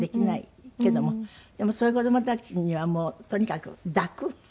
でもそういう子供たちにはとにかく抱く。